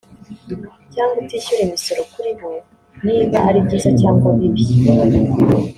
cyangwa utishyura imisoro kuri bo niba ari byiza cyangwa bibi